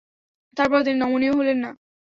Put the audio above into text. তারপরও তিনি নমনীয় হলেন না।